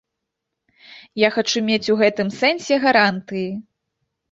Я хачу мець у гэтым сэнсе гарантыі.